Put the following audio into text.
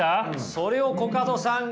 それをコカドさんが。